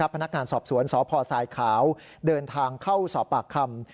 พนักงานสอบสวนสพทรายขาวเดินทางเข้าสอบปากคำ